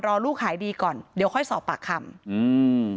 รอลูกหายดีก่อนเดี๋ยวค่อยสอบปากคำอืม